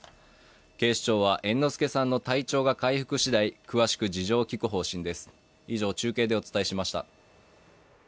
警視庁は猿之助さんの体調が回復次第詳しく事情を聴く方針です。